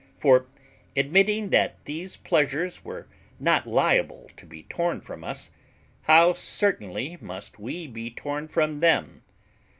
For, admitting that these pleasures were not liable to be torn from us, how certainly must we be torn from them!